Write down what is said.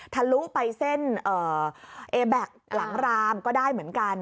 ทะลุไปเส้นเอแบ็คหลังรามก็ได้เหมือนกัน